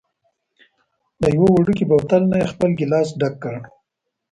له یوه وړوکي بوتل نه یې خپل ګېلاس ډک کړ.